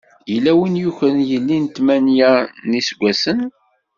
Yella win yukren yelli n tmanya n yiseggasen.